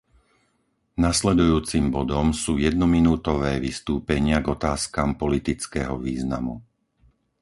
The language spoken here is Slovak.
Nasledujúcim bodom sú jednominútové vystúpenia k otázkam politického významu.